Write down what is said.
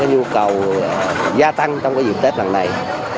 nhu cầu gia tăng trong dịp tết lần này